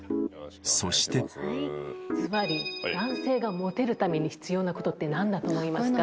そしてずばり男性がモテるために必要なことって何だと思いますか？